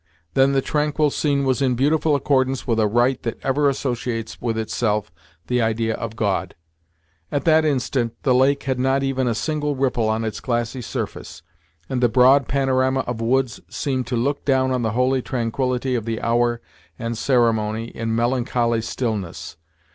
Then the tranquil scene was in beautiful accordance with a rite that ever associates with itself the idea of God. At that instant, the lake had not even a single ripple on its glassy surface, and the broad panorama of woods seemed to look down on the holy tranquillity of the hour and ceremony in melancholy stillness.